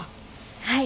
はい。